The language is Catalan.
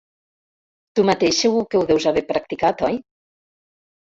Tu mateix segur que ho deus haver practicat, oi?